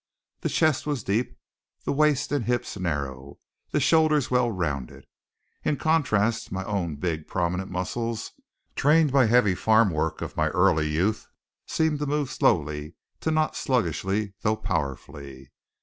The chest was deep, the waist and hips narrow, the shoulders well rounded. In contrast my own big prominent muscles, trained by heavy farm work of my early youth, seemed to move slowly, to knot sluggishly though powerfully.